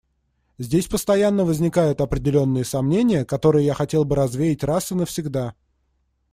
Здесь постоянно возникают определенные сомнения, которые я хотел бы развеять раз и навсегда.